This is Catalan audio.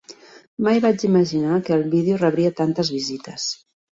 Mai va imaginar que el vídeo rebria tantes visites.